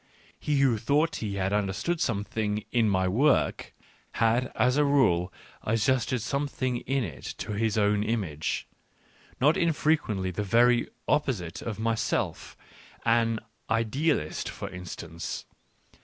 He who thought he had understood something in my work, had as a rule adjusted some thing in it to his own image — not infrequently the very opposite of myself, an " idealist," for instance.